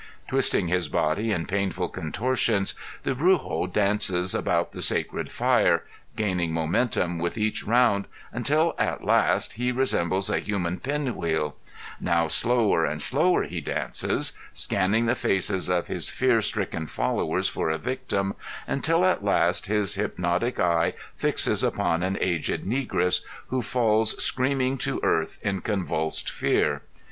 Twisting his body in painful contortions, the brujo dances about the sacred fire, gaining momentum with each round until he at last resembles a human pin wheel; now slower and slower he dances, scanning the faces of his fear stricken followers for a victim, until at last his hypnotic eye fixes upon an aged negress, who falls screaming to earth in convulsed fear.